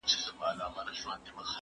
ما د سبا لپاره د درسونو يادونه کړې ده،